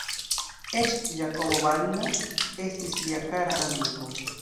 Eĉ Giacomo Balla, estis lia kara amiko.